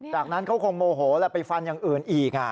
จากนั้นเขาคงโมโหแล้วไปฟันอย่างอื่นอีก